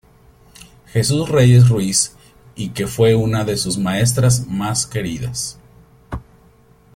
Jesús Reyes Ruiz y que fue una de sus maestras más queridas.